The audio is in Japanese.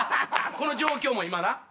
この状況も今な。